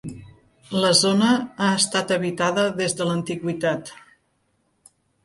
La zona ha estat habitada des de l'antiguitat.